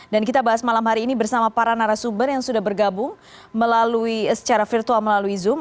dan kita bahas malam hari ini bersama para narasumber yang sudah bergabung secara virtual melalui zoom